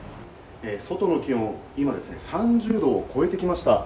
外の気温、今ですね、３０度を超えてきました。